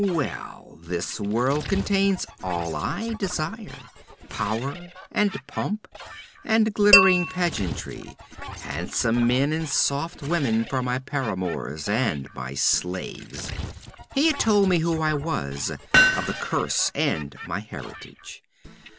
Well, this world contains all I desire power, and pomp, and glittering pageantry, handsome men and soft women for my paramours and my slaves. He had told me who I was, of the curse and my heritage.